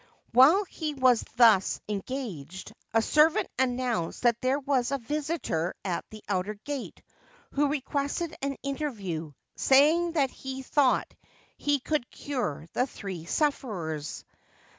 While he was thus engaged, a servant announced that there was a visitor at the outer gate who requested an interview, saying that he thought he could cure the three sufferers.